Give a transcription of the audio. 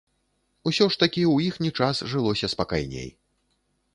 Усё ж такі ў іхні час жылося спакайней!